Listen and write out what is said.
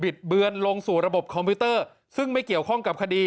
เบือนลงสู่ระบบคอมพิวเตอร์ซึ่งไม่เกี่ยวข้องกับคดี